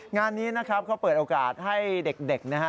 งานนี้นะครับเขาเปิดโอกาสให้เด็กนะฮะ